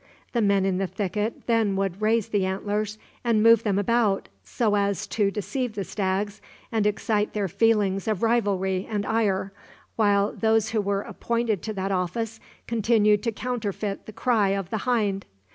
The men in the thicket then would raise the antlers and move them about, so as to deceive the stags, and excite their feelings of rivalry and ire, while those who were appointed to that office continued to counterfeit the cry of the hind.